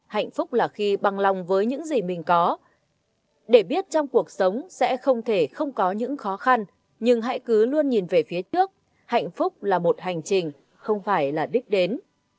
hạnh phúc là khi bằng lòng với những gì mình có để biết trong cuộc sống sẽ không thể không có những khó khăn nhưng hãy cứ luôn nhìn về phía trước hạnh phúc là một hành trình không phải là đích đến